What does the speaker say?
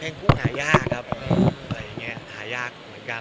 เพลงกุ้งหายากครับหายากเหมือนกัน